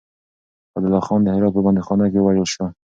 عبدالله خان د هرات په بنديخانه کې ووژل شو.